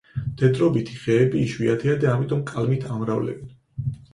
მდედრობითი ხეები იშვიათია და ამიტომ კალმით ამრავლებენ.